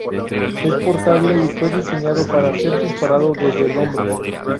Es portable y fue diseñado para ser disparado desde el hombro.